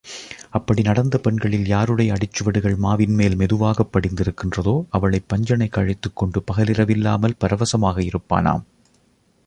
அப்படி நடந்த பெண்களில் யாருடைய அடிச்சுவடுகள் மாவின் மேல் மெதுவாக படிந்திருக்கின்றதோ அவளைப் பஞ்சணைக்கழைத்துக்கொண்டு பகலிரவில்லாமல் பரவசமாகயிருப்பானாம்.